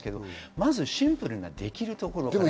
まずシンプルなできるところから。